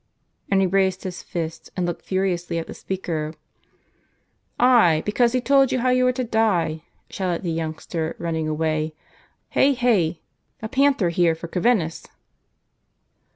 And he raised his fist, and looked furiously at the speaker. "Ay, because he told you how you were to die," shouted the youngster, running away. "Heigh! Heigh! a panther here for Corvinus !